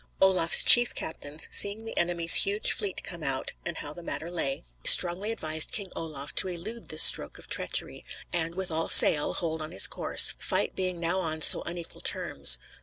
Olaf's chief captains, seeing the enemy's huge fleet come out, and how the matter lay, strongly advised King Olaf to elude this stroke of treachery, and, with all sail, hold on his course, fight being now on so unequal terms.